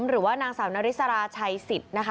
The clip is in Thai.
หรือว่านางสาวนาริสราชัยสิทธิ์นะคะ